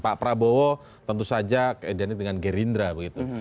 pak prabowo tentu saja identik dengan gerindra begitu